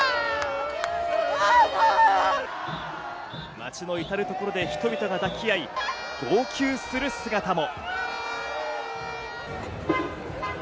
街のいたるところで人々が抱き合い、号泣する姿も。